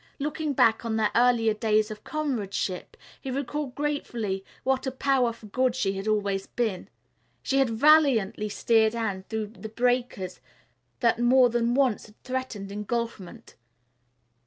Looking back on their earlier days of comradeship, he recalled gratefully what a power for good she had always been. She had valiantly steered Anne through the breakers that more than once had threatened engulfment.